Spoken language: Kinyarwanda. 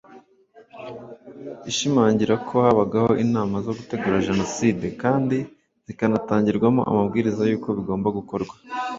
ishimangira ko habagaho inama zo gutegura Jenoside kandi zikanatangirwamo amabwiriza y’uko bigomba gukorwa